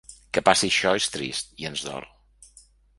Que passi això és trist i ens dol.